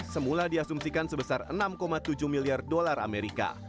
semula diasumsikan sebesar enam tujuh miliar dolar amerika